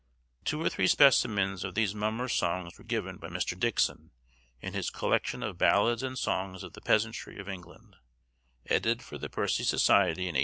Two or three specimens of these mummers' songs are given by Mr. Dixon, in his 'Collection of Ballads and Songs of the Peasantry of England,' edited for the Percy Society in 1846.